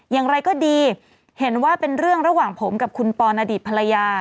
อย่างไรก็ดีเห็นว่าเป็นเรื่องระหว่างผมกับคุณปอนอดีตภรรยา